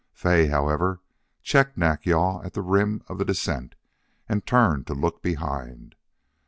Fay, however, checked Nack yal at the rim of the descent and turned to look behind.